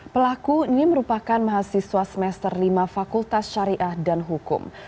pelaku ini merupakan mahasiswa semester lima fakultas syariah dan hukum